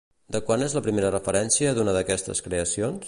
De quan és la primera referència d'una d'aquestes creacions?